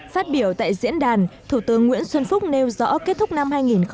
phát biểu tại diễn đàn thủ tướng nguyễn xuân phúc nêu rõ kết thúc năm hai nghìn một mươi chín